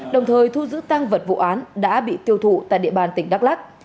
đồng thời thu giữ tăng vật vụ án đã bị tiêu thụ tại địa bàn tỉnh đắk lắc